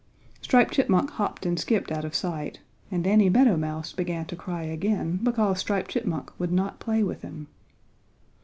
Striped Chipmunk hopped and skipped out of sight, and Danny Meadow Mouse began to cry again because Striped Chipmunk would not play with him.